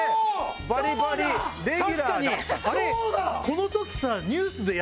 この時さニュースで。